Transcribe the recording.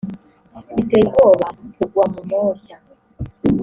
biteye ubwoba kugwa mu moshya